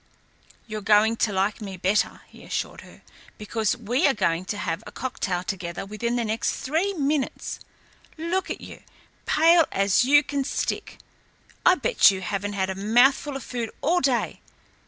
"You're going to like me better," he assured her, "because we are going to have a cocktail together within the next three minutes. Look at you pale as you can stick. I bet you haven't had a mouthful of food all day.